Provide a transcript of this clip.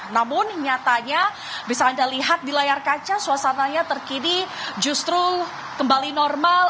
namun nyatanya bisa anda lihat di layar kaca suasananya terkini justru kembali normal